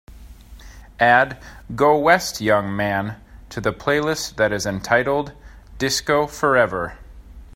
Add Go West Young Man to the playlist that is entitled, Disco Forever.